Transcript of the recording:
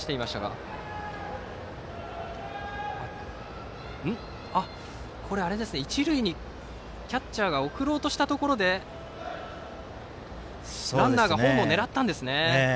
どうやら一塁にキャッチャーが送ろうとしたところでランナーがホームを狙ったんですね。